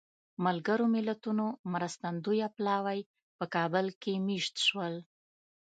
ملګرو ملتونو مرستندویه پلاوی په کابل کې مېشت شول.